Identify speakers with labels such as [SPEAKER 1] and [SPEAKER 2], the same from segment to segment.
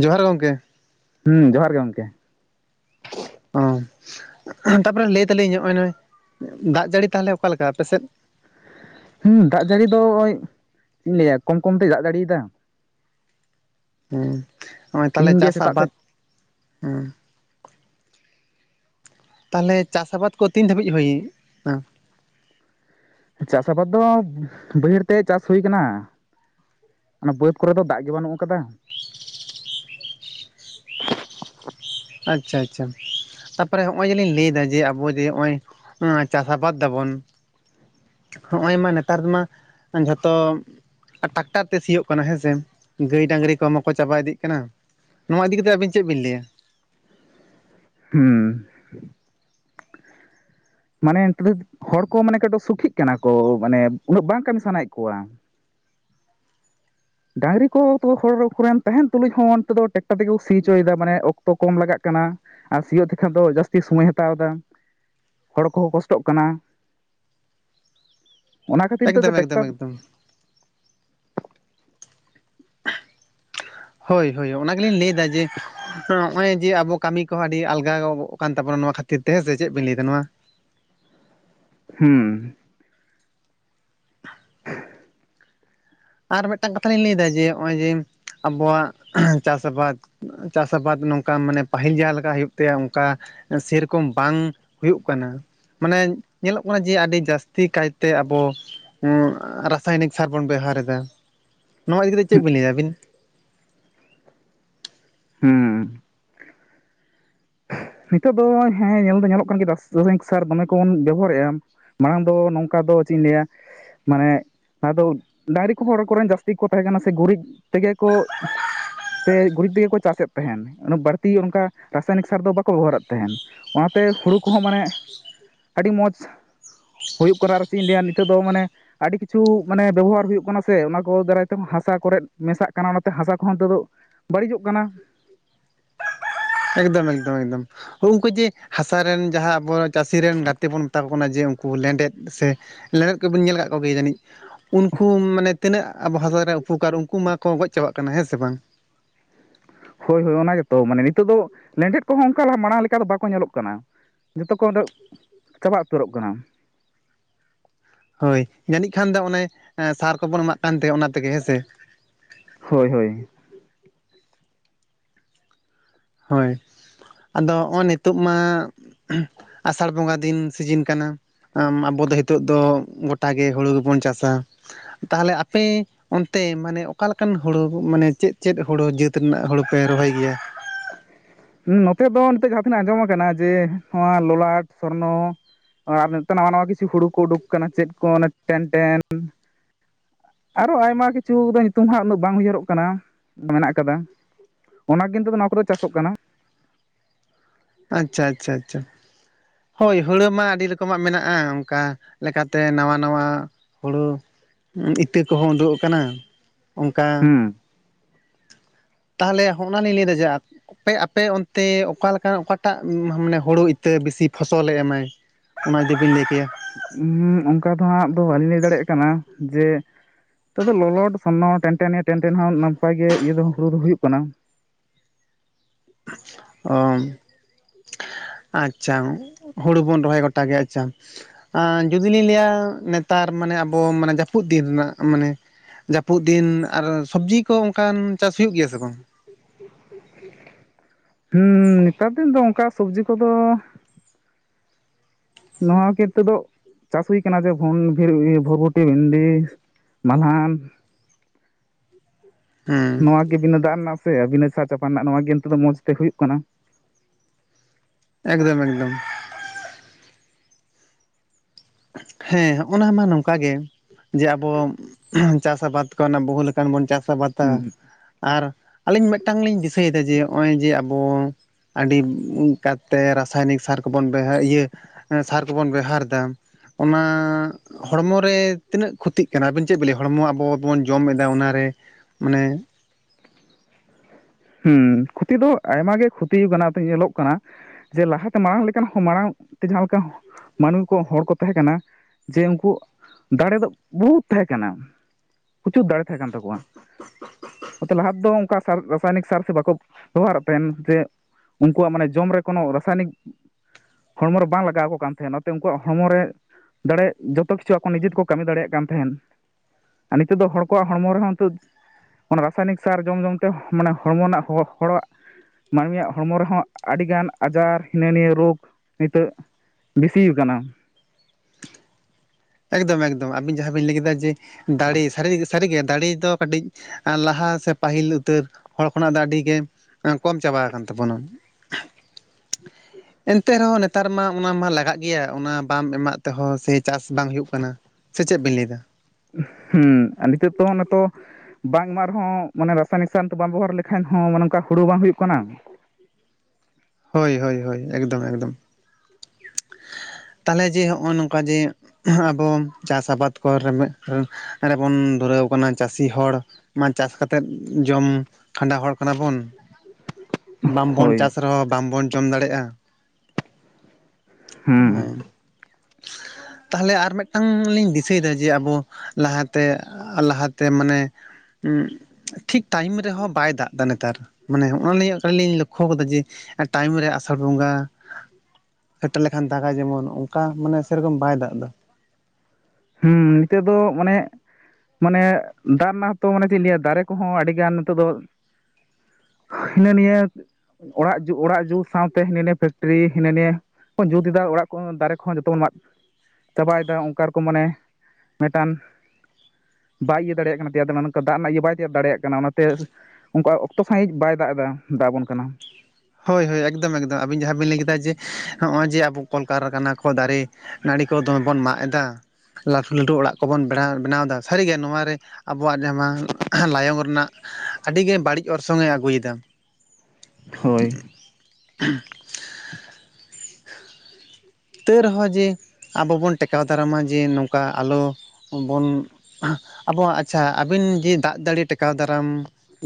[SPEAKER 1] ᱡᱚᱦᱟᱨ ᱜᱚᱝᱠᱮ᱾
[SPEAKER 2] ᱦᱩᱸ ᱡᱚᱦᱟᱨ ᱜᱮ ᱜᱚᱝᱠᱮ᱾
[SPEAKER 1] ᱚ ᱛᱟᱯᱚᱨᱮ ᱞᱟᱹᱭ ᱫᱟᱞᱤᱧ ᱚᱜ-ᱱᱚᱭ ᱫᱟᱜ ᱡᱟᱹᱲᱤ ᱛᱟᱦᱚᱞᱮ ᱚᱠᱟ ᱞᱮᱠᱟ ᱟᱯᱮ ᱥᱮᱫ?
[SPEAKER 2] ᱦᱩᱸ ᱫᱟᱜ ᱡᱟᱹᱲᱤ ᱫᱚ ᱚᱜ-ᱚᱭ ᱪᱮᱫ ᱤᱧ ᱞᱟᱹᱭᱟ ᱠᱚᱢ ᱠᱚᱢ ᱛᱮᱭ ᱫᱟᱜ ᱡᱟᱲᱤᱭᱮᱫᱟ᱾
[SPEAKER 1] ᱦᱮᱸ ᱦᱚᱜ-ᱚᱭ ᱛᱟᱦᱞᱮ
[SPEAKER 2] ᱛᱤᱦᱤᱧ ᱜᱮ
[SPEAKER 1] ᱪᱟᱥ
[SPEAKER 2] ᱥᱮᱛᱟᱜ
[SPEAKER 1] ᱟᱵᱟᱫᱽ
[SPEAKER 2] ᱠᱷᱚᱡ
[SPEAKER 1] ᱦᱮᱸ ᱛᱟᱦᱞᱮ ᱪᱟᱥᱟ ᱵᱟᱫᱽ ᱠᱚ ᱛᱤᱱ ᱫᱷᱟᱹᱵᱤᱡ ᱦᱩᱭ ᱦᱮᱸ
[SPEAKER 2] ᱪᱟᱥ ᱟᱵᱟᱫᱽ ᱫᱚ ᱵᱟᱹᱭᱦᱟᱹᱲ ᱛᱮ ᱪᱟᱥ ᱦᱩᱭ ᱠᱟᱱᱟ᱾ ᱚᱱᱟ ᱵᱟᱹᱫᱽ ᱠᱚᱨᱮ ᱫᱚ ᱫᱟᱜ ᱜᱮ ᱵᱟᱹᱱᱩᱜ ᱟᱠᱟᱫᱟ᱾
[SPEAKER 1] ᱟᱪᱪᱷᱟ ᱟᱪᱪᱷᱟ ᱛᱟᱯᱚᱨᱮ ᱦᱚᱜ-ᱚᱭ ᱡᱮᱞᱤᱧ ᱞᱟᱹᱭ ᱫᱟ ᱡᱮ ᱟᱵᱚ ᱡᱮ ᱦᱚᱜ-ᱚᱭ ᱱᱚᱣᱟ ᱪᱟᱥ ᱟᱵᱟᱫᱽ ᱫᱟᱵᱚᱱ ᱦᱚᱜ-ᱚᱭ ᱢᱟ ᱱᱮᱛᱟᱨ ᱢᱟ ᱡᱷᱚᱛᱚ ᱴᱟᱠᱴᱟᱨ ᱛᱮ ᱥᱤᱭᱩᱜ ᱠᱟᱱᱟ ᱦᱮᱸᱥᱮ ᱜᱟᱹᱭ ᱰᱟᱹᱝᱨᱤ ᱠᱚᱢᱟ ᱠᱚ ᱪᱟᱵᱟ ᱤᱫᱤᱜ ᱠᱟᱱᱟ᱾ ᱱᱚᱣᱟ ᱤᱫᱤ ᱠᱟᱛᱮᱫ ᱟᱵᱤᱱ ᱪᱮᱫ ᱵᱤᱱ ᱞᱟᱹᱭᱟ?
[SPEAKER 2] ᱦᱩᱸ᱾ ᱢᱟᱱᱮ ᱱᱤᱛ ᱦᱚᱲ ᱠᱚ ᱢᱟᱱᱮ ᱠᱚ ᱥᱩᱠᱷᱤᱜ ᱠᱟᱱᱟ ᱠᱚ ᱢᱟᱱᱮ ᱩᱱᱟᱹᱜ ᱵᱟᱝ ᱠᱟᱹᱢᱤ ᱥᱟᱱᱟᱭᱮᱫ ᱠᱚᱣᱟ᱾ ᱰᱟᱹᱝᱨᱤ ᱠᱚ ᱛᱚ ᱦᱚᱲ ᱠᱚᱨᱮᱱ ᱛᱟᱦᱮᱱ ᱛᱩᱞᱩᱡ ᱦᱚᱸ ᱱᱚᱛᱮ ᱫᱚ ᱴᱮᱠᱴᱟᱨ ᱛᱮᱜᱮ ᱠᱚ ᱥᱤ ᱚᱪᱚᱭ ᱮᱫᱟ ᱢᱟᱱᱮ ᱚᱠᱛᱚ ᱠᱚᱢ ᱞᱟᱜᱟᱜ ᱠᱟᱱᱟ᱾ ᱟᱨ ᱥᱤᱭᱳᱜ ᱛᱮᱠᱷᱟᱱ ᱫᱚ ᱡᱟᱹᱥᱛᱤ ᱥᱚᱢᱚᱭ ᱦᱟᱛᱟᱣ ᱫᱟ ᱦᱚᱲ ᱠᱚᱦᱚᱸ ᱠᱚᱥᱴᱚᱜ ᱠᱟᱱᱟ᱾ ᱚᱱᱟ ᱠᱷᱟᱹᱛᱤᱨ ᱛᱮᱫᱚ
[SPEAKER 1] ᱮᱠᱫᱚᱢ
[SPEAKER 2] ᱴᱮᱠᱴᱟᱨ
[SPEAKER 1] ᱮᱠᱫᱚᱢ ᱮᱠᱫᱚᱢ᱾ ᱦᱳᱭ ᱦᱳᱭ ᱚᱱᱟ ᱜᱮᱞᱤᱧ ᱞᱟᱹᱭ ᱫᱟ ᱡᱮ ᱱᱚᱜ-ᱚᱭ ᱡᱮ ᱟᱵᱚ ᱠᱟᱹᱢᱤ ᱠᱚᱦᱚᱸ ᱟᱹᱰᱤ ᱟᱞᱜᱟ ᱜᱚᱜ ᱠᱟᱱ ᱛᱟᱵᱚᱱᱟ ᱱᱚᱣᱟ ᱠᱷᱟᱹᱛᱤᱨ ᱛᱮ ᱦᱮᱸ ᱥᱮ ᱪᱮᱫ ᱵᱤᱱ ᱞᱟᱹᱭ ᱮᱫᱟ ᱱᱚᱣᱟ?
[SPEAKER 2] ᱦᱩᱸ᱾ [unintelligible]
[SPEAKER 1] ᱟᱨ ᱢᱤᱫᱴᱟᱝ ᱠᱟᱛᱷᱟ ᱞᱤᱧ ᱞᱟᱹᱭ ᱮᱫᱟ ᱡᱮ ᱚᱜ-ᱚᱭ ᱡᱮ ᱟᱵᱚᱣᱟᱜ ᱪᱟᱥ ᱟᱵᱟᱫᱽ ᱪᱟᱥ ᱟᱵᱟᱫᱽ ᱱᱚᱝᱠᱟ ᱢᱟᱱᱮ ᱯᱟᱹᱦᱤᱞ ᱡᱟᱦᱟᱸ ᱞᱮᱠᱟ ᱦᱩᱭᱩᱜ ᱛᱟᱦᱮᱭᱟ ᱚᱱᱠᱟ ᱥᱮᱨᱚᱠᱚᱢ ᱵᱟᱝ ᱦᱩᱭᱩᱜ ᱠᱟᱱᱟ᱾ ᱢᱟᱱᱮ ᱧᱮᱞᱚᱜ ᱠᱟᱱᱟ ᱡᱮ ᱟᱹᱰᱤ ᱡᱟᱹᱥᱛᱤ ᱠᱟᱭᱛᱮ ᱟᱵᱚ [unintelligible] ᱨᱟᱥᱟᱭᱱᱤᱠ ᱥᱟᱨ ᱵᱚᱱ ᱵᱮᱣᱦᱟᱨ ᱮᱫᱟ ᱱᱚᱣᱟ ᱤᱫᱤ ᱠᱟᱛᱮ ᱪᱮᱫ ᱵᱤᱱ ᱞᱟᱹᱭᱟ ᱟᱹᱵᱤᱱ?
[SPEAKER 2] ᱦᱩᱸ᱾ ᱱᱤᱛᱚᱜ ᱫᱚ ᱦᱮᱸ ᱧᱮᱞ ᱫᱚ ᱧᱮᱞᱚᱜ ᱠᱟᱱ ᱨᱟᱥᱟᱭᱱᱤᱠ ᱥᱟᱨ ᱫᱚᱢᱮ ᱠᱚᱱ ᱵᱮᱵᱚᱦᱟᱨᱮᱫ-ᱟ᱾ ᱢᱟᱲᱟᱝ ᱫᱚ ᱱᱚᱝᱠᱟ ᱫᱚ ᱪᱮᱫ ᱤᱧ ᱞᱟᱹᱭᱟ ᱢᱟᱱᱮᱼᱼ ᱟᱫᱚ ᱰᱟᱹᱝᱨᱤ ᱠᱚ ᱦᱚᱲ ᱠᱚᱨᱮᱱ ᱡᱟᱹᱥᱛᱤ ᱠᱚ ᱛᱟᱦᱮᱸ ᱠᱟᱱᱟ ᱥᱮ ᱜᱩᱨᱤᱡ ᱛᱮᱜᱮ ᱠᱚᱼᱼ ᱥᱮ ᱜᱩᱨᱤᱡ ᱛᱮᱜᱮ ᱠᱚ ᱪᱟᱥᱮᱫ ᱛᱟᱦᱮᱱ ᱩᱱᱟᱹᱜ ᱵᱟᱹᱲᱛᱤ ᱚᱱᱠᱟ ᱨᱟᱥᱟᱭᱱᱤᱠ ᱥᱟᱨ ᱫᱚ ᱵᱟᱼᱼ ᱠᱚ ᱵᱮᱵᱚᱦᱟᱨᱮᱫ ᱛᱟᱦᱮᱱ ᱚᱱᱟᱛᱮ ᱦᱩᱲᱩ ᱠᱚᱦᱚᱸ ᱢᱟᱱᱮ ᱟᱹᱰᱤ ᱢᱚᱸᱡᱽ ᱦᱩᱭᱩᱜ ᱠᱟᱱᱟ ᱟᱨ ᱪᱮᱫ ᱤᱧ ᱞᱟᱹᱭᱟ ᱱᱤᱛᱚᱜ ᱫᱚ ᱢᱟᱱᱮᱼᱼ ᱟᱹᱰᱤ ᱠᱤᱪᱷᱩ ᱢᱟᱱᱮ ᱵᱮᱵᱚᱦᱟᱨ ᱦᱩᱭᱩᱜ ᱠᱟᱱᱟ ᱥᱮ ᱚᱱᱟ ᱠᱚ ᱫᱟᱨᱟᱭ ᱛᱮᱦᱚᱸ ᱦᱟᱥᱟ ᱠᱚᱨᱮᱫ ᱢᱮᱥᱟᱜ ᱠᱟᱱᱟ ᱚᱱᱟᱛᱮ ᱦᱟᱥᱟ ᱠᱚᱦᱚᱸ ᱱᱤᱛᱚᱜ ᱫᱚ ᱵᱟᱹᱲᱤᱡᱚᱜ ᱠᱟᱱᱟ᱾
[SPEAKER 1] ᱮᱠᱫᱚᱢ ᱮᱠᱫᱚᱢ ᱮᱠᱫᱚᱢ ᱩᱱᱠᱩ ᱡᱮ ᱦᱟᱥᱟ ᱨᱮᱱ ᱡᱟᱦᱟᱸ ᱟᱵᱚ ᱪᱟᱹᱥᱤ ᱨᱮᱱ ᱜᱟᱛᱮ ᱵᱚᱱ ᱢᱮᱛᱟ ᱠᱚ ᱚᱱᱟ ᱡᱮ ᱩᱱᱠᱩ ᱞᱮᱸᱰᱮᱫ ᱥᱮ ᱞᱮᱸᱰᱮᱫ ᱠᱚᱵᱚᱱ ᱧᱮᱞ ᱟᱠᱟᱫ ᱠᱚ ᱜᱮᱭᱟ ᱡᱟᱹᱱᱤᱡ? ᱩᱱᱠᱩ ᱢᱟᱱᱮ ᱛᱤᱱᱟᱹᱜ ᱟᱵᱚ ᱦᱟᱥᱟ ᱨᱮᱱᱟᱜ ᱩᱯᱚᱠᱟᱨ ᱩᱱᱠᱩ ᱢᱟᱠᱚ ᱜᱚᱡ ᱪᱟᱵᱟᱜ ᱠᱟᱱᱟ ᱦᱮᱸ ᱥᱮ ᱵᱟᱝ?
[SPEAKER 2] ᱦᱳᱭ ᱦᱳᱭ ᱚᱱᱟ ᱜᱮᱛᱚ ᱢᱟᱱᱮ ᱱᱤᱛᱚᱜ ᱫᱚ ᱞᱮᱸᱰᱮᱫ ᱠᱚᱦᱚᱸ ᱚᱱᱠᱟ ᱢᱟᱲᱟᱝ ᱞᱮᱠᱟ ᱫᱚ ᱵᱟᱠᱚ ᱧᱮᱞᱚᱜ ᱠᱟᱱᱟ᱾ ᱡᱚᱛᱚ ᱠᱚ ᱚᱸᱰᱮ ᱪᱟᱵᱟ ᱩᱛᱟᱹᱨᱚᱜ ᱠᱟᱱᱟ᱾
[SPEAKER 1] ᱦᱳᱭ ᱡᱟᱹᱱᱤᱡ ᱠᱷᱟᱱ ᱫᱚ ᱚᱱᱮ ᱮᱹ ᱥᱟᱨ ᱠᱚᱵᱚᱱ ᱮᱢᱟᱜ ᱠᱟᱱ ᱛᱮ ᱚᱱᱟ ᱛᱮᱜᱮ ᱦᱮᱸᱥᱮ
[SPEAKER 2] ᱦᱳᱭ ᱦᱳᱭ
[SPEAKER 1] ᱦᱳᱭ ᱟᱫᱚ ᱦᱚᱸᱜ ᱱᱤᱛᱳᱜ ᱢᱟ᱾ ᱟᱥᱟᱲ ᱵᱚᱸᱜᱟ ᱫᱤᱱ ᱥᱤᱡᱤᱱ ᱠᱟᱱᱟ᱾ ᱟᱵᱚ ᱫᱚ ᱦᱮᱛᱳᱜ ᱫᱚ ᱜᱚᱴᱟ ᱜᱮ ᱦᱳᱲᱳ ᱜᱮᱵᱚᱱ ᱪᱟᱥᱟ ᱛᱟᱦᱞᱮ ᱟᱯᱮ ᱚᱱᱛᱮ ᱢᱟᱱᱮ ᱚᱠᱟᱞᱮᱠᱟᱱ ᱦᱳᱲᱳ ᱪᱮᱫ ᱪᱮᱫ ᱦᱳᱲᱳ ᱡᱟᱹᱛ ᱨᱮᱱᱟᱜ ᱦᱳᱲᱳ ᱯᱮ ᱨᱚᱦᱚᱭ ᱜᱮᱭᱟ?
[SPEAKER 2] ᱦᱮᱸ ᱱᱚᱛᱮ ᱫᱚ ᱱᱤᱛᱚᱜ ᱡᱟᱦᱟᱸ ᱛᱤᱱᱟᱹᱜ ᱟᱸᱡᱚᱢᱟ ᱟᱠᱟᱱᱟ ᱡᱮ ᱱᱚᱣᱟ ᱞᱚᱞᱟᱴ, ᱥᱚᱨᱱᱚ, ᱟᱨ ᱱᱮᱛᱟᱨ ᱱᱟᱣᱟ ᱱᱟᱣᱟ ᱠᱤᱪᱷᱩ ᱦᱩᱲᱩ ᱠᱚ ᱩᱰᱩᱠ ᱟᱠᱟᱱᱟ ᱪᱮᱫ ᱠᱚ ᱴᱮᱱ ᱴᱮᱱ᱾ ᱟᱨᱦᱚ ᱟᱭᱢᱟ ᱠᱤᱪᱷᱩ ᱫᱚ ᱧᱩᱛᱩᱢ ᱦᱟᱸᱜ ᱩᱱᱟᱹᱜ ᱵᱟᱝ ᱩᱭᱦᱟᱹᱨᱚᱜ ᱠᱟᱱᱟ ᱢᱮᱱᱟᱜ ᱠᱟᱫᱟ᱾ ᱚᱱᱟ ᱠᱤᱱ ᱛᱮᱫᱚ ᱱᱚᱣᱟ ᱠᱚᱫᱚ ᱪᱟᱥᱚᱜ ᱠᱟᱱᱟ᱾
[SPEAKER 1] ᱟᱪᱪᱷᱟ ᱟᱪᱪᱷᱟ ᱟᱪᱪᱷᱟ᱾ ᱦᱳᱭ ᱦᱩᱲᱳ ᱢᱟ ᱟᱹᱰᱤ ᱨᱚᱠᱚᱢᱟᱜ ᱢᱮᱱᱟᱜᱼᱟ ᱚᱱᱠᱟ ᱞᱮᱠᱟᱛᱮ ᱱᱟᱣᱟ ᱱᱟᱣᱟ᱾ ᱦᱳᱲᱳ ᱤᱛᱟᱹ ᱠᱚᱦᱚᱸ ᱩᱰᱳᱜ ᱠᱟᱱᱟ ᱚᱱᱠᱟ᱾
[SPEAKER 2] ᱦᱮᱸ
[SPEAKER 1] ᱛᱟᱦᱚᱞᱮ ᱦᱚᱸᱜᱱᱟ ᱞᱤᱧ ᱞᱟᱹᱭ ᱮᱫᱟ ᱡᱟᱠ ᱯᱮ ᱟᱯᱮ ᱚᱱᱛᱮ ᱚᱠᱟᱠᱟᱱ ᱚᱠᱟᱴᱟᱜ ᱢᱟᱱᱮ ᱦᱳᱲᱳ ᱤᱛᱟᱹ ᱵᱮᱥᱤ ᱯᱷᱚᱥᱚᱞᱮ ᱮᱢᱟᱭ? ᱚᱱᱟ ᱫᱚ ᱵᱟᱝ ᱞᱟᱹᱭ ᱠᱮᱭᱟ᱾
[SPEAKER 2] ᱚᱱᱠᱟ ᱫᱚ ᱦᱟᱸᱜ ᱫᱚ ᱵᱟᱹᱞᱤᱧ ᱞᱟᱹᱭ ᱫᱟᱲᱮᱭᱟᱜ ᱠᱟᱱᱟ ᱡᱮ ᱛᱚ ᱞᱚᱞᱚᱴ ᱥᱚᱱᱱᱚ ᱴᱮᱱᱴ ᱱᱤᱭᱟᱹ ᱴᱮᱱᱴᱮᱱ ᱦᱚᱸ ᱱᱟᱯᱟᱭ ᱜᱮ ᱤᱭᱟᱹ ᱫᱚ ᱦᱩᱲᱩ ᱫᱚ ᱦᱩᱭᱩᱜ ᱠᱟᱱᱟ᱾
[SPEAKER 1] ᱚ ᱟᱪᱪᱷᱟ ᱦᱩᱲᱩ ᱵᱚᱱ ᱨᱚᱦᱚᱭ ᱜᱚᱴᱟ ᱜᱮ ᱟᱪᱪᱷᱟ᱾ ᱡᱩᱫᱤ ᱞᱤᱧ ᱞᱟᱹᱭᱟ ᱱᱮᱛᱟᱨ ᱢᱟᱱᱮ ᱟᱵᱚ ᱢᱟᱱᱮ ᱡᱟᱹᱯᱩᱫ ᱫᱤᱱ ᱨᱮᱱᱟᱜ ᱢᱟᱱᱮ᱾ ᱡᱟᱹᱯᱩᱫ ᱫᱤᱱ ᱟᱨ ᱥᱚᱵᱽᱡᱤ ᱠᱚ ᱚᱱᱠᱟᱱ ᱪᱟᱥ ᱦᱩᱭᱩᱜ ᱜᱮᱭᱟ ᱥᱮ ᱵᱟᱝ?
[SPEAKER 2] [inaudible] ᱦᱮᱸ ᱱᱮᱛᱟᱨ ᱫᱤᱱ ᱫᱚ ᱚᱱᱠᱟ ᱥᱚᱵᱡᱤ ᱠᱚᱫᱚ [unintelligible] ᱪᱟᱥ ᱦᱩᱭ ᱠᱟᱱᱟ ᱡᱮ ᱵᱷ ᱵᱷᱚᱨᱵᱷᱴᱤ, ᱵᱷᱤᱱᱰᱤ, ᱢᱟᱞᱦᱟᱱ,
[SPEAKER 1] ᱦᱮᱸ
[SPEAKER 2] ᱱᱚᱣᱟ ᱜᱮ ᱵᱤᱱᱟᱹ ᱫᱟᱜ ᱮᱢᱟᱜ ᱟᱥᱮ ᱵᱤᱱᱟᱹ ᱥᱟ ᱪᱟᱯᱟᱱ ᱨᱮᱱᱟᱜ ᱱᱚᱣᱟ ᱜᱮ ᱱᱤᱛᱳᱜ ᱫᱚ ᱢᱚᱸᱡᱽ ᱛᱮ ᱦᱩᱭᱩᱜ ᱠᱟᱱᱟ᱾
[SPEAKER 1] ᱮᱠᱫᱚᱢ ᱮᱠᱫᱚᱢ᱾ ᱦᱮᱸ ᱦᱚᱜ ᱱᱟ ᱢᱟ ᱱᱚᱝᱠᱟ ᱜᱮ ᱡᱮ ᱟᱵᱚ ᱪᱟᱥ ᱟᱵᱟᱫ ᱠᱚ ᱵᱚᱦᱩ ᱞᱮ ᱵᱚᱱ ᱪᱟᱥ ᱟᱵᱟᱫᱟ
[SPEAKER 2] ᱦᱩᱸ
[SPEAKER 1] ᱟᱨ ᱟᱹᱞᱤᱧ ᱢᱤᱫᱴᱟᱝ ᱞᱤᱧ ᱫᱤᱥᱟᱹᱭᱮᱫᱟ ᱡᱮ ᱱᱚᱜᱼᱚᱭ ᱡᱮ ᱟᱵᱚ᱾ ᱟᱹᱰᱤ ᱠᱟᱛᱮ ᱨᱟᱥᱟᱭᱱᱤᱠ ᱥᱟᱨ ᱠᱚᱵᱚᱱ ᱵᱮ ᱤᱭᱟᱹ ᱥᱟᱨ ᱠᱚᱵᱚᱱ ᱵᱮᱣᱦᱟᱨ ᱮᱫᱟ᱾ ᱚᱱᱟ ᱦᱚᱲᱢᱚ ᱨᱮ ᱛᱤᱱᱟᱹᱜ ᱠᱷᱚᱛᱤᱜ ᱠᱟᱱᱟ ᱟᱵᱤᱱ ᱪᱮᱫ ᱵᱤ ᱞᱟᱸᱭ ᱦᱚᱲᱢᱚ ᱟᱵᱚ ᱵᱚᱱ ᱡᱚᱢᱮᱫᱟ ᱚᱱᱟᱨᱮ ᱢᱟᱱᱮ
[SPEAKER 2] ᱦᱩᱸ ᱠᱷᱚᱛᱤ ᱫᱚ ᱟᱭᱢᱟ ᱜᱮ ᱠᱷᱚᱛᱤ ᱠᱟᱱᱟ ᱧᱮᱞᱚᱜ ᱠᱟᱱᱟ᱾ ᱡᱮ ᱞᱟᱦᱟᱛᱮ ᱢᱟᱲᱟᱝ ᱞᱮᱠᱟᱱ ᱠᱚ ᱢᱟᱲᱟᱝ ᱛᱮ ᱡᱟᱦᱟᱸ ᱞᱮᱠᱟ ᱢᱟᱱᱢᱤ ᱠᱚ ᱦᱚᱲ ᱠᱚ ᱛᱟᱦᱮᱸ ᱠᱟᱱᱟ᱾ ᱡᱮ ᱩᱱᱠᱩ ᱫᱟᱲᱮ ᱫᱚ ᱵᱩᱦᱩᱛ ᱛᱟᱦᱮᱸ ᱠᱟᱱᱟ᱾ ᱩᱪᱩᱨ ᱫᱟᱲᱮ ᱛᱟᱦᱮᱸ ᱠᱟᱱ ᱛᱟᱠᱚᱣᱟ ᱱᱚᱛᱮ ᱞᱟᱦᱟ ᱛᱮᱫᱚ ᱚᱱᱠᱟ ᱥᱟᱨ ᱨᱟᱥᱟᱭᱱᱤᱠ ᱥᱟᱨ ᱥᱮ ᱵᱟᱠᱚ ᱵᱮᱵᱚᱦᱟᱨᱮᱫ ᱛᱟᱦᱮᱱ ᱡᱮ ᱩᱱᱠᱩᱣᱟᱜ ᱢᱟᱱᱮ ᱡᱚᱢ ᱨᱮ ᱠᱳᱱᱳ ᱨᱟᱥᱟᱭᱱᱤᱠ ᱦᱚᱲᱢᱚ ᱨᱮ ᱵᱟᱝ ᱞᱟᱜᱟᱣ ᱟᱠᱚ ᱠᱟᱱ ᱛᱟᱦᱮ ᱱᱚᱛᱮ ᱩᱱᱠᱩᱣᱟᱜ ᱦᱚᱲᱢᱚ ᱨᱮ᱾ ᱫᱟᱲᱮ ᱡᱚᱛᱚ ᱠᱤᱪᱷᱩ ᱟᱠᱚ ᱱᱤᱡᱮ ᱛᱮ ᱠᱚ ᱠᱟᱹᱢᱤ ᱫᱟᱲᱮᱭᱟᱜ ᱠᱟᱱ ᱛᱟᱦᱮᱱ᱾ ᱟᱨ ᱱᱤᱛᱚᱜ ᱫᱚ ᱦᱚᱲ ᱠᱚᱣᱟᱜ ᱦᱚᱲᱢᱚ ᱨᱮᱦᱚᱸ ᱱᱤᱛᱚᱜ ᱚᱱᱟ ᱨᱟᱥᱟᱭᱚᱱᱤᱠ ᱥᱟᱨ ᱡᱚᱢ ᱡᱚᱢᱛᱮ ᱢᱟᱱᱮ ᱦᱚᱲᱢᱚ ᱨᱮᱱᱟᱜ ᱦᱚ ᱦᱚᱲᱟᱜ ᱢᱟᱱᱢᱤᱭᱟᱜ ᱦᱚᱲᱢᱚ ᱨᱮᱦᱚᱸ ᱟᱹᱰᱤᱜᱟᱱ ᱟᱡᱟᱨ ᱦᱤᱱᱟᱹ ᱱᱤᱭᱟᱹ ᱨᱳᱜᱽ ᱱᱤᱛᱚᱜ ᱵᱤᱥᱤᱣ ᱠᱟᱱᱟ᱾
[SPEAKER 1] ᱮᱠᱫᱚᱢ ᱮᱠᱫᱚᱢ ᱟᱵᱤᱱ ᱡᱟᱦᱟᱸ ᱵᱤᱱ ᱞᱟᱹᱭ ᱠᱮᱫᱟ ᱡᱮ ᱫᱟᱲᱮ ᱥᱟᱨᱤ ᱥᱟᱨᱤᱜᱮ ᱫᱟᱲᱮ ᱫᱚ ᱠᱟᱹᱴᱤᱡ ᱞᱟᱦᱟ ᱥᱮ ᱯᱟᱦᱤᱞ ᱩᱛᱟᱹᱨ, ᱦᱚᱲ ᱠᱷᱚᱱᱟᱜ ᱫᱚ ᱟᱹᱰᱤᱜᱮ, ᱠᱚᱢ ᱪᱟᱵᱟ ᱠᱟᱱ ᱛᱟᱵᱚᱱᱟ᱾ [unintelligible] ᱮᱱᱛᱮ ᱨᱮᱦᱚᱸ ᱱᱮᱛᱟᱨ ᱢᱟ ᱚᱱᱟ ᱢᱟ ᱞᱟᱜᱟᱜ ᱜᱮᱭᱟ ᱚᱱᱟ ᱵᱟᱢ ᱮᱢᱟᱜ ᱛᱮᱦᱚᱸ ᱥᱮ ᱪᱟᱥᱼᱼ ᱵᱟᱝ ᱦᱩᱭᱩᱜ ᱠᱟᱱᱟ᱾ ᱥᱮ ᱪᱮᱫ ᱵᱤᱱ ᱞᱮᱭ ᱫᱟ?
[SPEAKER 2] ᱦᱩᱸ ᱟᱨ ᱱᱤᱛᱚᱜ ᱫᱚ ᱚᱱᱮ ᱛᱚᱼᱼ ᱵᱟᱝ ᱮᱢᱟᱜ ᱨᱮᱦᱚᱸ ᱢᱟᱱᱮ ᱨᱟᱥᱟᱭᱚᱱᱤᱠ ᱥᱟᱱ ᱵᱟᱝ ᱵᱮᱵᱚᱦᱟᱨ ᱞᱮᱠᱷᱟᱱ ᱦᱚᱸᱮ ᱚᱱᱠᱟ ᱦᱳᱲᱳ ᱵᱟᱝ ᱦᱩᱭᱩᱜ ᱠᱟᱱᱟ᱾
[SPEAKER 1] ᱦᱳᱭ ᱦᱳᱭ ᱦᱳᱭ ᱮᱠᱫᱚᱢ ᱮᱠᱫᱚᱢ᱾ ᱛᱟᱦᱟᱞᱮ ᱡᱮ ᱦᱚᱜᱼᱚ ᱱᱚᱝᱠᱟ ᱡᱮᱼᱼ ᱟᱵᱚ ᱪᱟᱥ ᱟᱵᱟᱫ ᱠᱚᱨᱮ ᱵᱚ ᱨᱮᱵᱚᱱ ᱫᱷᱩᱨᱟᱹᱣ ᱠᱟᱱᱟ ᱪᱟᱥᱤ ᱦᱚᱲ᱾ ᱢᱟ ᱪᱟᱥ ᱠᱟᱛᱮᱜ ᱡᱚᱢ, ᱠᱷᱟᱸᱰᱟ ᱦᱚᱲ ᱠᱟᱱᱟ ᱵᱚᱱᱼᱼ ᱵᱟᱝ ᱵᱚᱱ ᱪᱟᱥ
[SPEAKER 2] ᱦᱳᱭ
[SPEAKER 1] ᱨᱮᱦᱚᱸ ᱵᱟᱝ ᱵᱚᱱ ᱡᱚᱢ ᱫᱟᱲᱮᱭᱟᱜᱼᱟ᱾
[SPEAKER 2] ᱦᱮᱸ
[SPEAKER 1] [unintelligible] ᱛᱟᱦᱟᱞᱮ ᱟᱨ ᱢᱮᱫᱴᱟᱝ ᱞᱤᱧ ᱫᱤᱥᱟᱹᱭ ᱫᱟ ᱡᱮ ᱟᱵᱚ ᱞᱟᱦᱟᱛᱮ ᱞᱟᱦᱟᱛᱮ ᱢᱟᱱᱮᱼᱼ ᱦᱩᱸ ᱴᱷᱤᱠ ᱴᱟᱭᱤᱢ ᱨᱮᱦᱚ ᱵᱟᱭ ᱫᱟᱜ ᱫᱟ ᱱᱮᱛᱟᱨ᱾ ᱢᱟᱱᱮ ᱦᱚᱜ-ᱚ ᱱᱤᱭᱟᱹ ᱞᱤᱧ ᱞᱚᱠᱠᱷᱚ ᱠᱟᱫᱟ ᱡᱮᱼᱼ ᱴᱟᱭᱤᱢ ᱨᱮ ᱟᱥᱟᱲ ᱵᱚᱸᱜᱟᱼᱼ ᱥᱮᱴᱮᱨ ᱞᱮᱠᱷᱟᱱ ᱫᱟᱜᱟᱭ ᱡᱮᱢᱚᱱ ᱚᱱᱠᱟ ᱢᱟᱱᱮ ᱥᱮᱨᱚᱠᱚᱢ ᱵᱟᱭ ᱫᱟᱜ ᱫᱟ᱾
[SPEAKER 2] ᱦᱮᱸ ᱱᱤᱛᱚᱜ ᱫᱚ ᱚᱱᱮᱼᱼ ᱢᱟᱱᱮ ᱫᱟᱜ ᱨᱮᱱᱟᱜ ᱦᱚᱸᱛᱚ ᱢᱟᱱᱮ ᱪᱮᱫ ᱤᱧ ᱞᱮᱭᱟ ᱫᱟᱨᱮ ᱠᱚᱦᱚᱸ ᱟᱹᱰᱤᱜᱟᱱ ᱱᱤᱛᱚᱜ ᱫᱚᱼᱼ ᱦᱤᱱᱟᱹ ᱱᱤᱭᱟᱹ, ᱚᱲᱟᱜ ᱚᱲᱟᱜ ᱡᱩᱜ ᱥᱟᱶᱛᱮ ᱦᱤᱱᱟᱹ ᱱᱤᱭᱟᱹ ᱯᱷᱮᱠᱴᱨᱤ ᱦᱤᱱᱟᱹ ᱱᱤᱭᱟᱹᱼᱼ ᱠᱚ ᱡᱩᱛ ᱫᱟ ᱚᱲᱟᱜ ᱠᱚ ᱫᱟᱨᱮ ᱠᱚᱦᱚᱸ ᱡᱚᱛᱚ ᱵᱚᱱ ᱢᱟᱜ ᱪᱟᱵᱟᱭ ᱫᱟ ᱚᱱᱠᱟᱼᱼ ᱠᱚᱢ ᱢᱟᱱᱮ ᱢᱮᱫᱴᱟᱝᱼᱼ ᱵᱟᱭ ᱤᱭᱟᱹ ᱫᱟᱲᱮᱭᱟᱜ ᱠᱟᱱᱟ ᱛᱮᱭᱟᱨᱱᱟ ᱱᱚᱝᱠᱟ ᱫᱟᱜ ᱨᱮᱭᱟᱜ ᱤᱭᱟᱹ ᱵᱟᱭ ᱛᱮᱭᱟᱨ ᱫᱟᱲᱮᱭᱟᱜ ᱠᱟᱱᱟ ᱚᱱᱟᱛᱮᱼᱼ ᱚᱱᱠᱟ ᱚᱠᱛᱚ ᱥᱟᱺᱦᱤᱡ ᱵᱟᱭ ᱫᱟᱜ ᱫᱟ, ᱫᱟᱜ ᱟᱵᱚᱱ ᱠᱟᱱᱟ᱾
[SPEAKER 1] ᱦᱳᱭ ᱦᱳᱭ ᱮᱠᱫᱚᱢ ᱮᱠᱫᱚᱢ ᱟᱵᱤᱱ ᱡᱟᱦᱟᱸ ᱵᱤᱱ ᱞᱮᱭ ᱠᱮᱫᱟ ᱡᱮ ᱱᱚᱜᱼᱚᱭ ᱡᱮ ᱟᱵᱚ ᱠᱚᱞᱠᱟᱨᱠᱟᱱᱟ ᱠᱚ ᱫᱟᱨᱮᱼᱼ ᱱᱟᱲᱤ ᱠᱚ ᱫᱚᱢᱮ ᱵᱚᱱ ᱢᱟᱜ ᱫᱟ‌‌, ᱞᱟᱹᱴᱩ ᱞᱟᱹᱴᱩ ᱚᱲᱟᱜ ᱠᱚᱵᱚᱱ ᱵᱮᱱᱟᱣ ᱫᱟ ᱥᱟᱹᱨᱤ ᱜᱮ ᱱᱚᱣᱟᱨᱮᱼᱼ ᱟᱵᱚᱣᱟᱜ ᱡᱟᱢᱟᱱ ᱞᱟᱭᱚᱝ ᱨᱮᱱᱟᱜ ᱟᱹᱰᱤᱜᱮ ᱵᱟᱹᱲᱤᱡ ᱚᱨᱥᱚᱝᱮ ᱟᱹᱜᱩᱭ ᱮᱫᱟ᱾
[SPEAKER 2] ᱦᱳᱭ
[SPEAKER 1] [unintelligible] ᱛᱟᱹᱣ ᱨᱮᱦᱚᱸ ᱡᱮ ᱟᱵᱚ ᱵᱚᱱ ᱴᱮᱠᱟᱣ ᱫᱟᱨᱟᱢᱟ ᱡᱮ ᱱᱚᱝᱠᱟ ᱟᱞᱚᱼᱼ ᱵᱚᱱ ᱟᱵᱚᱣᱟᱜ ᱟᱪᱪᱷᱟ ᱟᱵᱤᱱ ᱡᱮ ᱫᱟᱜ ᱫᱟᱲᱤ ᱴᱮᱼᱼ ᱠᱟᱣ ᱫᱟᱨᱟᱢ,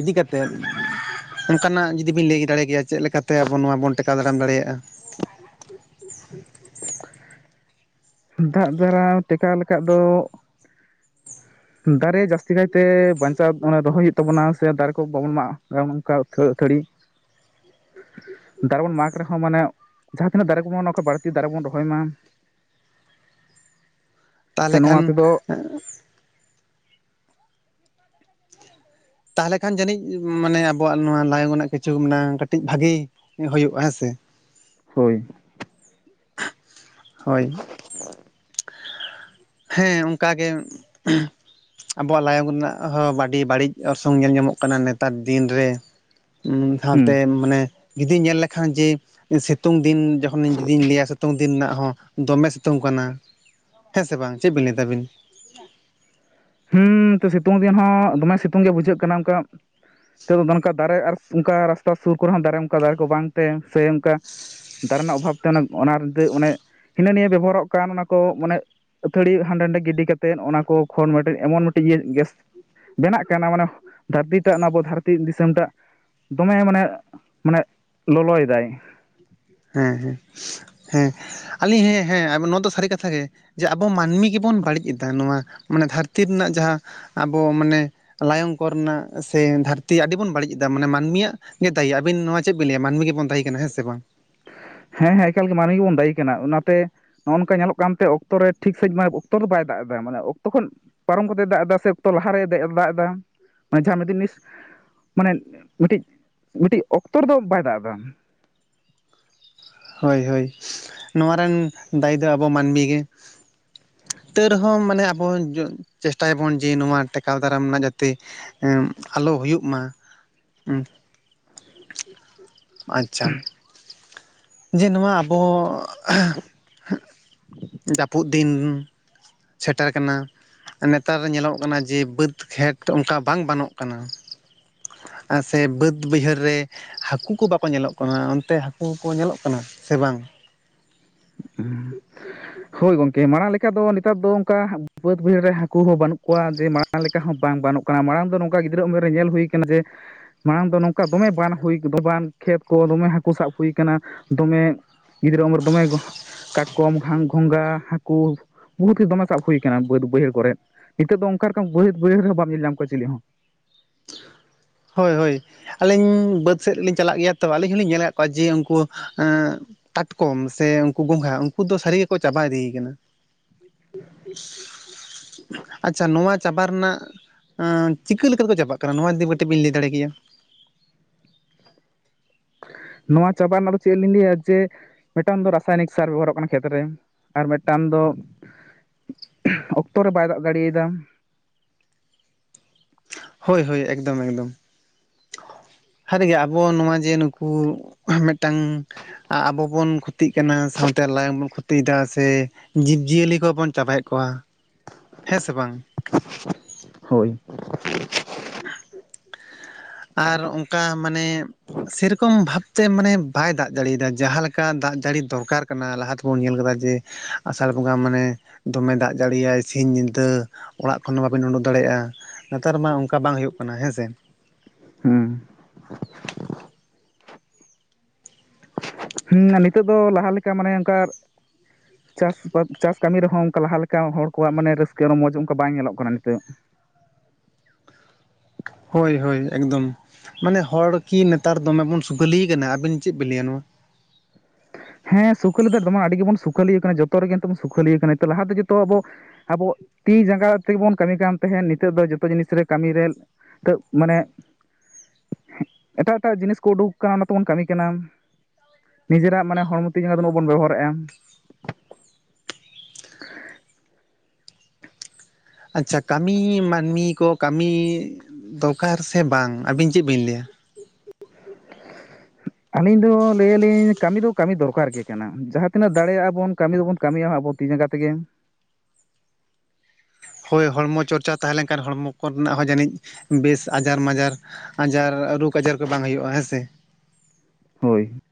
[SPEAKER 1] ᱤᱫᱤ ᱠᱟᱛᱮᱫ, ᱚᱱᱠᱟᱱᱟᱜ ᱡᱩᱫᱤ ᱵᱤᱱ ᱞᱟᱴᱮᱭ ᱫᱟᱲᱮ ᱠᱮᱭᱟ ᱪᱮᱫ ᱞᱮᱠᱟᱼᱼ ᱛᱮ ᱟᱵᱚ ᱱᱚᱣᱟ ᱵᱚᱱ ᱴᱮᱠᱟᱣ ᱫᱟᱨᱟᱢ ᱫᱟᱲᱮᱭᱟᱜᱼᱟ?
[SPEAKER 2] ᱫᱟᱜ ᱫᱟᱨᱟᱣ ᱴᱮᱠᱟᱣ ᱞᱮᱠᱷᱟ ᱫᱚᱼᱼ ᱫᱟᱨᱮ ᱡᱟᱹᱥᱛᱤ ᱠᱟᱭᱛᱮ ᱵᱟᱧᱪᱟᱣ ᱨᱚᱦᱚᱭ ᱦᱩᱭᱩᱜ ᱛᱟᱵᱚᱱᱟ ᱥᱮ ᱫᱟᱨᱮ ᱠᱚ ᱵᱟᱵᱚᱱ ᱢᱟᱜ ᱚᱱᱠᱟ ᱟᱹᱛᱷᱟᱹᱲᱤ᱾
[SPEAKER 1] [unintelligible]
[SPEAKER 2] ᱫᱟᱨᱮ ᱵᱚᱱ ᱢᱟᱜᱽ ᱨᱮᱦᱚᱸ ᱢᱟᱱᱮᱼᱼ ᱡᱟᱦᱟᱸ ᱛᱤᱱᱟᱹᱜ ᱫᱟᱨᱮ ᱠᱚᱵᱚᱱ ᱚᱱᱟ ᱠᱷᱚᱱ ᱵᱟᱹᱲᱛᱤ ᱫᱟᱨᱮ ᱵᱚᱱ ᱨᱚᱦᱚᱭ ᱢᱟ᱾
[SPEAKER 1] [unintelligible]
[SPEAKER 2] ᱥᱮ
[SPEAKER 1] ᱠᱷᱟᱱ
[SPEAKER 2] ᱱᱚᱣᱟ ᱛᱮᱫᱚ
[SPEAKER 1] ᱛᱟᱦᱟᱞᱮ ᱠᱷᱟᱱ ᱡᱟᱹᱱᱤᱡ ᱢᱟᱱᱮ ᱟᱵᱚᱣᱟᱜ ᱱᱚᱣᱟ ᱞᱟᱭᱚᱜ ᱱᱟᱜ ᱠᱤᱪᱷᱩ ᱢᱮᱱᱟᱜᱼᱟ ᱠᱟᱹᱴᱤᱡ ᱵᱷᱟᱜᱤ ᱦᱳᱭᱳᱜᱼᱟ ᱦᱮᱸ ᱥᱮ ᱾
[SPEAKER 2] ᱦᱳᱭ᱾
[SPEAKER 1] ᱦᱳᱭ ᱾ ᱦᱮᱸ ᱚᱝᱠᱟᱜᱮ ᱾ ᱟᱵᱚᱣᱟᱜ ᱞᱟᱭᱚᱝ ᱨᱮᱱᱟᱜ ᱦᱚᱸ ᱵᱟᱰᱤ ᱵᱟᱹᱲᱤᱡ ᱚᱨᱥᱚᱝ ᱧᱮᱞ ᱧᱟᱢᱚᱜ ᱠᱟᱱᱟ ᱱᱮᱛᱟᱨ ᱫᱤᱱ ᱨᱮ ᱾ ᱩᱸᱻ
[SPEAKER 2] ᱦᱩᱸ
[SPEAKER 1] ᱥᱟᱶᱛᱮ ᱢᱟᱱᱮ, ᱡᱩᱫᱤ ᱧᱮᱞ ᱞᱮᱠᱷᱟᱱ ᱡᱮ ᱥᱮᱛᱳᱝ ᱫᱤᱱ ᱡᱚᱠᱷᱚ ᱱᱤᱧ ᱡᱩᱫᱤᱧ ᱞᱮᱭᱟ ᱥᱮᱛᱳᱝ ᱫᱤᱱ ᱱᱟᱜ ᱦᱚᱸ ᱫᱚᱢᱮ ᱥᱤᱛᱳᱝ ᱠᱟᱱᱟ ᱾ ᱦᱮᱸ ᱥᱮ ᱵᱟᱝ, ᱪᱮᱫ ᱵᱤᱱ ᱞᱟᱹᱭᱫᱟ ᱟᱵᱤᱱ?
[SPEAKER 2] ᱦᱩᱸᱻ ᱛᱚ ᱥᱤᱛᱩᱝ ᱫᱤᱱ ᱦᱚᱸ ᱫᱚᱢᱮ ᱥᱤᱛᱩᱝ ᱜᱮ ᱵᱩᱡᱷᱟᱹᱜ ᱠᱟᱱᱟ, ᱚᱱᱠᱟ ᱱᱤᱛᱚᱜ ᱫᱚ ᱫᱚᱱᱠᱟ ᱫᱟᱨᱮ ᱟᱨ ᱥᱩᱝᱠᱟ ᱨᱟᱥᱛᱟ ᱥᱩᱨ ᱠᱚᱨᱮ ᱦᱚᱸ ᱫᱟᱨᱮ ᱚᱝᱠᱟ ᱫᱟᱨᱮ ᱠᱚ ᱵᱟᱝᱛᱮ ᱥᱮ ᱚᱝᱠᱟ ᱫᱟᱨᱮ ᱨᱮᱱᱟᱜ ᱚᱵᱷᱟᱵ ᱛᱮ ᱚᱱᱮ ᱚᱱᱟᱨ ᱫᱟᱹ ᱚᱱᱮ ᱦᱤᱱᱟᱹ ᱱᱤᱭᱟᱹ ᱵᱮᱵᱚ ᱦᱟᱨᱚᱜ ᱠᱟᱱ ᱚᱱᱟ ᱠᱚ, ᱢᱟᱱᱮ ᱟᱹᱛᱷᱟᱹ ᱲᱤᱣᱟᱜ ᱦᱟᱸᱰᱮ ᱱᱟᱰᱮ ᱜᱤᱰᱤ ᱠᱟᱛᱮᱫ ᱚᱱᱟ ᱠᱚ ᱠᱷᱚᱱ ᱢᱮᱫᱴᱮᱡ ᱮᱢᱚᱱ ᱢᱤᱫᱴᱤᱡ ᱤᱭᱟᱹ ᱜᱮᱥ ᱵᱮᱱᱟᱜ ᱠᱟᱱᱟ, ᱢᱟᱱᱮ ᱫᱷᱟᱹᱨᱛᱤᱴᱟᱜ ᱟᱵᱚ ᱫᱷᱟᱹᱨᱛᱤ ᱫᱤᱥᱚᱢ ᱴᱟᱜ ᱫᱚᱢᱮ ᱢᱟᱱᱮᱜ ᱢᱟᱱᱮᱜ ᱞᱚᱞᱚᱭ ᱮᱫᱟᱭ ᱾
[SPEAKER 1] ᱦᱮᱸ ᱦᱮᱸ ᱦᱮᱸ ᱟᱞᱤᱧ ᱦᱮᱸ ᱦᱮᱸ ᱟᱵᱚ ᱫᱚ ᱱᱚᱣᱟ ᱫᱚ ᱥᱟᱹᱨᱤ ᱠᱟᱛᱷᱟ ᱜᱮ ᱾ ᱡᱮ ᱟᱵᱚ ᱢᱟᱹᱱᱢᱤ ᱜᱮᱵᱚᱱ ᱵᱟᱹᱲᱤᱡ ᱮᱫᱟ ᱱᱚᱣᱟ ᱢᱟᱱᱮ ᱫᱷᱟᱹᱨᱛᱤ ᱱᱟᱜ ᱡᱟᱦᱟᱸ ᱟᱵᱚ ᱢᱟᱱᱮ ᱞᱟᱭᱚᱝ ᱠᱚᱨᱮᱱᱟᱜ ᱥᱮ ᱫᱷᱟᱹᱨᱛᱤ ᱟᱹᱰᱤ ᱵᱚᱱ ᱵᱟᱹᱲᱤᱡ ᱮᱫᱟ ᱢᱟᱱᱮ ᱢᱟᱹᱱᱢᱤᱭᱟᱜ ᱜᱮ ᱫᱟᱭᱤ, ᱟᱵᱤᱱ ᱱᱚᱣᱟ ᱪᱮᱫ ᱵᱤᱱ ᱞᱮᱭᱟ ᱢᱟᱹᱱᱢᱤ ᱜᱮᱵᱚᱱ ᱫᱟᱹᱭᱤ ᱠᱟᱱᱟ ᱦᱮᱸ ᱥᱮ ᱵᱟᱝ?
[SPEAKER 2] ᱦᱮᱸ ᱦᱮᱸ ᱮᱠᱟᱞ ᱜᱮ ᱢᱟᱱᱮ ᱜᱮᱵᱚᱱ ᱫᱟᱭᱤ ᱠᱟᱱᱟ, ᱚᱱᱟᱛᱮ ᱱᱚᱜᱼᱚ ᱱᱚᱝᱠᱟ ᱧᱮᱞᱚᱜ ᱠᱟᱱᱛᱮ ᱚᱠᱛᱚ ᱨᱮ ᱴᱷᱤᱠ ᱥᱟᱺᱦᱤᱡ ᱢᱟ ᱚᱠᱛᱚ ᱨᱮ ᱵᱟᱭ ᱫᱟᱜ ᱮᱫᱟ, ᱢᱟᱱᱮ ᱚᱠᱛᱚ ᱠᱷᱚᱱ ᱯᱟᱨᱚᱢ ᱠᱟᱛᱮᱜ ᱫᱟᱜ ᱮᱫᱟ ᱥᱮ ᱚᱠᱛᱚ ᱞᱟᱦᱟᱨᱮᱭ ᱫᱮᱜ ᱫᱟᱜ ᱮᱫᱟ, ᱢᱟᱱᱮ ᱡᱟᱦᱟᱸ ᱢᱤᱫᱤᱱᱤᱥ ᱢᱟᱱᱮ ᱢᱤᱫᱴᱤᱡ ᱢᱤᱫᱴᱤᱜ ᱚᱠᱛᱚ ᱨᱮᱫᱚ ᱵᱟᱭ ᱫᱟᱜ ᱮᱫᱟ ᱾
[SPEAKER 1] ᱦᱳᱭ ᱦᱳᱭ ᱱᱚᱣᱟ ᱨᱮᱱ ᱫᱟᱹᱭᱤ ᱫᱚ ᱟᱵᱚ ᱢᱟᱹᱱᱢᱤ ᱜᱮ ᱾ ᱛᱟᱹ ᱨᱮᱦᱚᱸ ᱢᱟᱱᱮ ᱟᱵᱚ ᱡᱚ ᱪᱮᱥᱴᱟᱭ ᱟᱵᱚᱱ ᱡᱮ ᱱᱚᱣᱟ ᱴᱮᱠᱟᱣ ᱫᱟᱨᱟᱢ ᱱᱟᱜ ᱡᱟᱛᱮ ᱮᱸ ᱟᱞᱚ ᱦᱩᱭᱩᱜ ᱢᱟ ᱾ ᱩᱸ ᱟᱪᱪᱷᱟ ᱾ ᱡᱮ ᱱᱚᱣᱟ ᱟᱵᱚᱻ
[SPEAKER 2] [inaudible]
[SPEAKER 1] ᱡᱟᱹᱯᱩᱫ ᱫᱤᱱ ᱥᱮᱴᱮᱨ ᱠᱟᱱᱟ ᱾ ᱱᱮᱛᱟᱨ ᱨᱮ ᱧᱮᱞᱚᱜ ᱠᱟᱱᱟ ᱡᱮ ᱵᱟᱹᱫᱽ ᱠᱷᱮᱴ ᱚᱝᱠᱟ ᱵᱟᱝ ᱵᱟᱱᱚᱜ ᱠᱟᱱᱟ ᱾ ᱟ ᱥᱮ ᱵᱟᱹᱫᱽ ᱵᱟᱹᱭᱦᱟᱹᱨ ᱨᱮ ᱦᱟᱹᱠᱩ ᱠᱚ ᱵᱟᱠᱚ ᱧᱮᱞᱚᱜ ᱠᱟᱱᱟ ᱚᱱᱛᱮ ᱦᱟᱹᱠᱩ ᱠᱚ ᱧᱮᱞᱚᱜ ᱠᱟᱱᱟ ᱥᱮ ᱵᱟᱝ?
[SPEAKER 2] ᱩᱸᱜᱻ ᱦᱳᱭ ᱜᱚᱝᱠᱮ, ᱢᱟᱲᱟᱝ ᱞᱮᱠᱟ ᱫᱚ ᱱᱮᱛᱟᱨ ᱫᱚ ᱚᱝᱠᱟ ᱵᱟᱹᱫᱽ ᱵᱟᱹᱭᱦᱟᱹᱲ ᱨᱮ ᱦᱟᱹᱠᱩ ᱦᱚᱸ ᱵᱟᱹᱱᱩᱜ ᱠᱚᱣᱟ, ᱡᱮ ᱢᱟᱲᱟᱝ ᱞᱮᱠᱟ ᱦᱚᱸ ᱵᱟᱝ ᱵᱟᱹᱱᱚᱜ ᱠᱟᱱᱟ, ᱢᱟᱲᱟᱝ ᱫᱚ ᱱᱚᱝᱠᱟ ᱜᱤᱫᱽᱨᱟᱹ ᱩᱢᱮᱨ ᱨᱮ ᱧᱮᱞ ᱦᱩᱭ ᱠᱟᱱᱟ ᱡᱮ ᱢᱟᱲᱟᱝ ᱫᱚ ᱱᱚᱝᱠᱟ ᱫᱚᱢᱮ ᱵᱟᱱ ᱦᱩᱭ [unintelligible] ᱵᱟᱱ ᱠᱷᱮᱛ ᱠᱚ ᱫᱚᱢᱮ ᱦᱟᱹᱠᱩ ᱥᱟᱵ ᱦᱩᱭ ᱠᱟᱱᱟ, ᱫᱚᱢᱮ ᱜᱤᱫᱽᱨᱟᱹ ᱩᱢᱮᱨ ᱫᱚᱢᱮ ᱜᱚ ᱠᱟᱴᱠᱚᱢ ᱜᱷᱟᱝ-ᱜᱷᱚᱸᱝᱜᱟ, ᱦᱟᱹᱠᱩ ᱵᱚᱦᱩᱛ ᱜᱮ ᱫᱚᱢᱮ ᱥᱟᱵ ᱦᱩᱭ ᱠᱟᱱᱟ ᱵᱟᱹᱫᱽ ᱵᱟᱹᱭᱦᱟᱹᱲ ᱠᱚᱨᱮᱜ ᱾ ᱱᱤᱛᱚᱜ ᱫᱚ ᱚᱝᱠᱟ ᱨᱚᱠᱚᱢ ᱵᱟᱛ ᱵᱷᱟᱹᱭᱟᱹᱫ ᱵᱟᱹᱭᱦᱟᱹᱲ ᱨᱮᱦᱚᱸ ᱵᱟᱢ ᱧᱮᱞ ᱧᱟᱢ ᱠᱚᱣᱟ ᱪᱤᱞᱤ ᱦᱚᱸ ᱾
[SPEAKER 1] ᱦᱳᱭ ᱦᱳᱭ ᱟᱹᱞᱤᱧ ᱵᱟᱹᱫᱽ ᱥᱮᱫ ᱨᱤᱞᱤᱧ ᱪᱟᱞᱟᱜ ᱜᱮᱭᱟ ᱛᱚ ᱟᱹᱞᱤᱧ ᱦᱩᱞᱤᱧ ᱧᱮᱞ ᱞᱟᱠᱟᱫ ᱠᱚᱣᱟ ᱡᱮ ᱩᱝᱠᱩ ᱮᱸᱻ ᱠᱟᱴᱠᱚᱢ ᱥᱮ ᱩᱝᱠᱩ ᱜᱚᱝᱜᱷᱟ ᱩᱝᱠᱩ ᱫᱚ ᱥᱟᱹᱨᱤ ᱜᱮᱠᱚ ᱪᱟᱵᱟ ᱤᱫᱤᱭ ᱠᱟᱱᱟ ᱾
[SPEAKER 2] [inaudible]
[SPEAKER 1] ᱟᱪᱪᱷᱟ, ᱱᱚᱣᱟ ᱪᱟᱵᱟ ᱨᱮᱱᱟᱜ ᱟᱸᱻ ᱪᱤᱠᱟᱹ ᱞᱮᱠᱟ ᱛᱮᱠᱚ ᱪᱟᱵᱟᱜ ᱠᱟᱱᱟ ᱱᱚᱣᱟ ᱡᱩᱫᱤ ᱠᱟᱹᱴᱤᱡ ᱵᱤ ᱞᱮᱭ ᱫᱟᱲᱮ ᱠᱮᱭᱟ?
[SPEAKER 2] ᱱᱚᱣᱟ ᱪᱟᱵᱟ ᱱᱟᱜ ᱫᱚ ᱪᱮᱜ ᱞᱤᱧ ᱞᱮᱭᱟ ᱡᱮ ᱢᱤᱫᱴᱟᱝ ᱫᱚ ᱨᱟᱥᱟᱭᱱᱤᱠ ᱥᱟᱨ ᱵᱮᱵᱚᱦᱟᱨᱚᱜ ᱠᱟᱱᱟ, ᱠᱷᱮᱛ ᱨᱮ ᱟᱨ ᱢᱤᱫᱴᱟᱝ ᱫᱚ ᱚᱠᱛᱚ ᱨᱮ ᱵᱟᱭ ᱫᱟᱜ ᱫᱟᱲᱮᱭ ᱟᱫᱟ᱾
[SPEAKER 1] ᱦᱳᱭ ᱦᱳᱭ ᱮᱠᱫᱚᱢ ᱮᱠᱫᱚᱢ ᱥᱟᱨᱤᱜᱮ ᱟᱵᱚ ᱱᱚᱣᱟ ᱡᱮ ᱱᱩᱠᱩ ᱢᱤᱫᱴᱟᱝ ᱟᱵᱚ ᱵᱚᱱ ᱠᱷᱩᱛᱤᱜ ᱠᱟᱱᱟ ᱥᱟᱶᱛᱮ ᱞᱟᱭᱚᱝ ᱵᱚᱱ ᱠᱷᱚᱛᱤᱭ ᱮᱫᱟ ᱥᱮ ᱡᱤᱵᱽ ᱡᱤᱭᱟᱹᱞᱤ ᱠᱚᱵᱚᱱ ᱪᱟᱵᱟᱭᱮᱫ ᱠᱚᱣᱟ᱾ ᱦᱮᱸ ᱥᱮ ᱵᱟᱝ?
[SPEAKER 2] [inaudible] ᱦᱳᱭ᱾
[SPEAKER 1] [inaudible] ᱟᱨ ᱚᱱᱠᱟ ᱢᱟᱱᱮᱼᱼ ᱥᱮᱨᱚᱠᱚᱢ ᱵᱷᱟᱵᱛᱮ ᱢᱟᱱᱮ ᱵᱟᱭ ᱫᱟᱜ ᱫᱟᱲᱮ ᱫᱟ ᱡᱟᱦᱟᱸᱞᱮᱠᱟ ᱫᱟᱜ ᱡᱟᱹᱲᱤ ᱫᱚᱨᱠᱟᱨ ᱠᱟᱱᱟ ᱞᱟᱦᱟ ᱛᱮᱵᱚᱱ ᱧᱮᱞ ᱟᱠᱟᱫᱟ ᱡᱮᱼᱼ ᱟᱥᱟᱲ ᱵᱚᱸᱜᱟ ᱢᱟᱱᱮ ᱫᱚᱢᱮ ᱫᱟᱜ ᱡᱟᱹᱲᱤᱭᱟᱭ ᱥᱤᱧ ᱧᱤᱫᱟᱹᱼᱼ ᱚᱲᱟᱜ ᱠᱷᱚᱱ ᱦᱚᱸ ᱵᱟᱵᱤᱱ ᱩᱰᱩᱠ ᱫᱟᱲᱮᱭᱟᱜ-ᱟ ᱱᱮᱛᱟᱨ ᱢᱟ ᱚᱱᱠᱟ ᱵᱟᱝ ᱦᱩᱭᱩᱜ ᱠᱟᱱᱟ ᱦᱮᱸ ᱥᱮ
[SPEAKER 2] ᱦᱩᱸ᱾
[SPEAKER 1] [inaudible]
[SPEAKER 2] ᱦᱩᱸ ᱱᱤᱛᱚᱜ ᱫᱚ ᱞᱮᱠᱟ ᱢᱟᱱᱮ ᱚᱱᱠᱟ ᱪᱟᱥ ᱵᱟᱥ ᱪᱟᱥ ᱠᱟᱹᱢᱤ ᱨᱮᱦᱚᱸ ᱚᱱᱠᱟ ᱞᱟᱦᱟ ᱞᱮᱠᱟ ᱦᱚᱲ ᱠᱚᱣᱟᱜ ᱢᱟᱱᱮ ᱨᱟᱹᱥᱠᱟᱹ ᱨᱚᱢᱚᱡᱽ ᱚᱱᱠᱟ ᱵᱟᱝ ᱧᱮᱞᱚᱜ ᱠᱟᱱᱟ ᱱᱤᱛᱚᱜᱼᱼ
[SPEAKER 1] ᱦᱳᱭ ᱦᱳᱭ ᱮᱠᱫᱚᱢᱼᱼ ᱢᱟᱱᱮ ᱦᱚᱲ ᱠᱤ ᱱᱮᱛᱟᱨ ᱫᱚᱢᱮ ᱵᱚᱱ ᱥᱩᱠᱷᱟᱹᱞᱤ ᱠᱟᱱᱟ ᱟᱵᱤᱱ ᱪᱮᱫ ᱵᱤᱱ ᱞᱟᱹᱭᱟ ᱱᱚᱣᱟ?
[SPEAKER 2] ᱦᱮᱸ ᱥᱩᱠᱟᱹᱞᱤ ᱫᱚ ᱫᱚᱢ ᱟᱹᱰᱤ ᱜᱮᱵᱚᱱ ᱥᱩᱠᱷᱟᱹᱞᱤᱭᱟᱹ ᱠᱟᱱᱟ ᱡᱚᱛᱚ ᱨᱮᱜᱮᱵᱚᱱ ᱥᱩᱠᱷᱟᱹᱤᱭᱟᱹ ᱠᱟᱱᱟ ᱞᱟᱦᱟᱛᱮ ᱡᱚᱛᱚ ᱟᱵᱚᱼᱼ ᱟᱵᱚ ᱛᱤ ᱡᱟᱸᱜᱟ ᱛᱮᱜᱮ ᱵᱚᱱ ᱠᱟᱹᱢᱤ ᱠᱟᱱ ᱛᱟᱦᱮᱸᱫ ᱱᱤᱛᱚᱜ ᱫᱚ ᱡᱚᱛᱚ ᱡᱤᱱᱤᱥ ᱨᱮ ᱠᱟᱹᱢᱤ ᱨᱮᱼᱼ ᱛᱟᱹ ᱢᱟᱱᱮ ᱮᱴᱟᱜ ᱮᱴᱟᱜ ᱡᱤᱱᱤᱥ ᱠᱚ ᱩᱰᱩᱠ ᱠᱟᱱᱟ ᱚᱱᱟ ᱛᱮᱵᱚᱱ ᱠᱟᱹᱢᱤ ᱠᱟᱱᱟ᱾ ᱱᱤᱡᱮᱨᱟᱜ ᱢᱟᱱᱮ ᱦᱚᱲᱢᱚ ᱛᱤ ᱡᱟᱸᱜᱟ ᱫᱚ ᱩᱱᱟᱹᱜ ᱵᱟᱵᱚᱱ ᱵᱮᱵᱷᱟᱨᱮᱜ-ᱟ᱾
[SPEAKER 1] ᱟᱪᱪᱷᱟ ᱠᱟᱹᱢᱤ ᱢᱟᱹᱱᱢᱤ ᱠᱚ ᱠᱟᱹᱢᱤ ᱫᱚᱨᱠᱟᱨ ᱥᱮ ᱵᱟᱝ ᱟᱹᱵᱤᱱ ᱪᱮᱫ ᱵᱤᱱ ᱞᱟᱹᱭᱟ? [inaudible]
[SPEAKER 2] ᱟᱹᱞᱤᱧ ᱫᱚ ᱞᱟᱹᱭᱟ ᱞᱤᱧ ᱠᱟᱹᱢᱤ ᱫᱚ ᱠᱟᱹᱢᱤ ᱫᱚᱨᱠᱟᱨ ᱜᱮ ᱠᱟᱱᱟ ᱡᱟᱦᱟᱸ ᱛᱤᱱᱟᱹᱜ ᱫᱟᱲᱮᱭᱟᱜ-ᱟ ᱵᱚᱱ ᱠᱟᱹᱢᱤ ᱫᱚᱵᱚᱱ ᱠᱟᱹᱢᱤᱭᱟ ᱟᱵᱚ ᱛᱤ ᱡᱟᱸᱜᱟ ᱛᱮᱜᱮᱼᱼ
[SPEAKER 1] ᱦᱳᱭ ᱦᱚᱲᱢᱚ ᱪᱚᱨᱪᱟ ᱛᱟᱦᱮᱸ ᱞᱮᱱᱠᱷᱟᱱ ᱦᱚᱲᱢᱚ ᱠᱚᱨᱮᱱᱟᱜ ᱦᱚᱸ ᱡᱟᱹᱱᱤᱡ ᱵᱮᱥ ᱟᱡᱟᱨ ᱢᱟᱡᱟᱨᱼᱼ ᱟᱡᱟᱨ ᱨᱳᱜᱽ ᱟᱡᱟᱨ ᱠᱚ ᱵᱟᱝ ᱦᱩᱭᱩᱜᱼᱟ ᱦᱮᱸ ᱥᱮᱼᱼ
[SPEAKER 2] ᱦᱳᱭ᱾